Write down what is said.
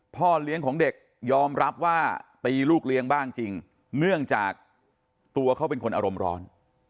พ่อเลี้ยงของเด็กยอมรับว่าตีลูกเลี้ยงบ้างจริงเนื่องจากตัวเขาเป็นคนอารมณ์ร้อน